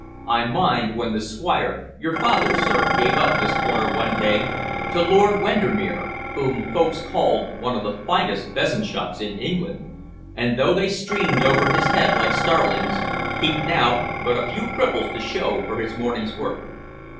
"I mind when the Squire, your father, sir, gave up this corner one day to Lord Wendermere, whom folks called one of the finest pheasant shots in England, and though they streamed over his head like starlings, he'd nowt but a few cripples to show for his morning's work."